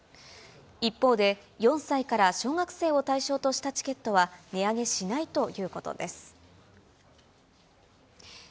一方で、４歳から小学生を対象としたチケットは値上げしないということです。